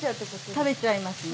食べちゃいますね。